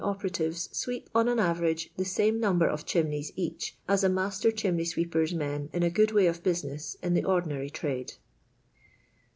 operatives sweep, on an aveni«;i', the same nunilwr of chi'nni*ys each, as a nia>ter chimney f>v.eeper'> men in a good way of businosi in the ordinary trade.